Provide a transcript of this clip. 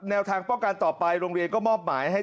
แนวทางป้องกันต่อไปโรงเรียนก็มอบหมายให้